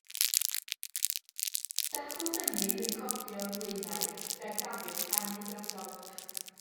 Dacw fynydd yn codi o'n blaenau; daeth awydd canu drosom.